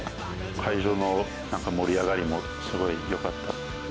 会場のなんか盛り上がりもすごいよかった。